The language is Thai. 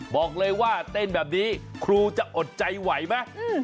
บอกเลยว่าเต้นแบบนี้ครูจะอดใจไหวไหม